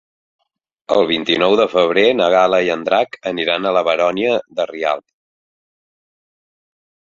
El vint-i-nou de febrer na Gal·la i en Drac aniran a la Baronia de Rialb.